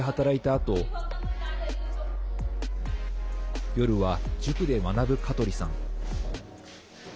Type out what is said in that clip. あと夜は塾で学ぶカトリさん。